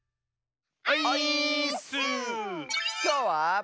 きょうは。